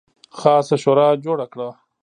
خاصه شورا جوړه کړه.